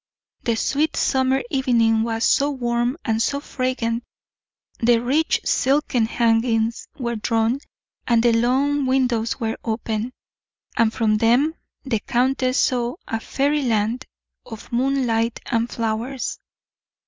The sweet summer evening was so warm and so fragrant, the rich silken hangings were drawn, and the long windows were open, and from them the countess saw a fairyland of moonlight and flowers.